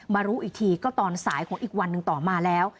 รู้อีกทีก็ตอนสายของอีกวันหนึ่งต่อมาแล้ว